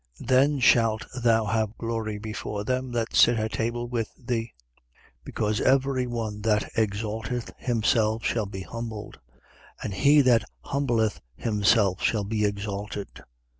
Then shalt thou have glory before them that sit at table with thee. 14:11. Because every one that exalteth himself shall be humbled: and he that humbleth himself shall be exalted.